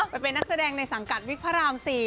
ไปเป็นนักแสดงในสังกัดวิกพระราม๔